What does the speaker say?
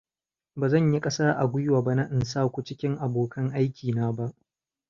Bazan yi kasa a gwuiwa ba na in saku cikin abokan aikina ba.